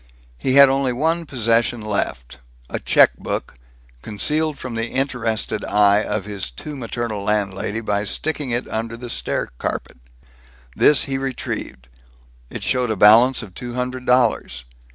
He had only one possession left a check book, concealed from the interested eye of his too maternal landlady by sticking it under the stair carpet. This he retrieved. It showed a balance of two hundred dollars.